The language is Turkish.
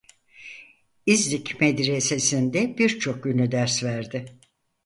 İznik Medresesi'nde birçok ünlü ders verdi.